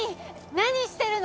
何してるの？